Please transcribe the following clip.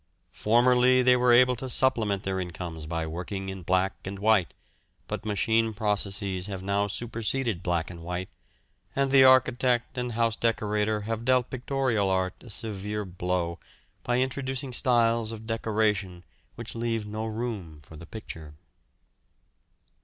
Formerly they were able to supplement their incomes by working in black and white, but machine processes have now superseded black and white, and the architect and house decorator have dealt pictorial art a severe blow by introducing styles of decoration which leave no room for the picture.